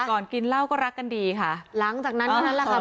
กินเหล้าก็รักกันดีค่ะหลังจากนั้นเท่านั้นแหละค่ะ